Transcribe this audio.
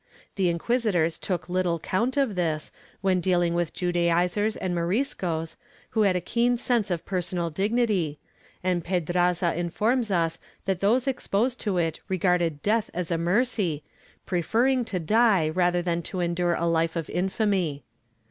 The inquisitors took little count of this, when dealing with Judaizers and Moriscos, who had a keen sense of personal dignity, and Pedraza informs us that those exposed to it regarded death as a mercy, preferring to die rather than to endure a life of infamy.'